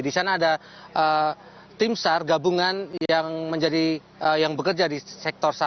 di sana ada tim sar gabungan yang bekerja di sektor satu